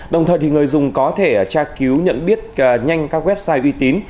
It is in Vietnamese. đồng thời người dùng có thể tra cứu nhận biết nhanh các website uy tín